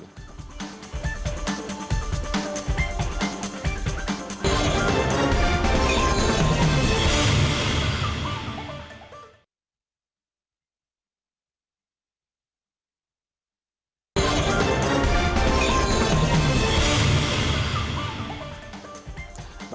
bersama kami tetaplah